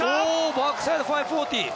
バックサイド５４０。